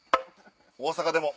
大阪でも！